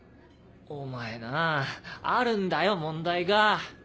お前なぁあるんだよ問題が！